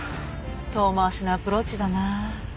遠回しなアプローチだな。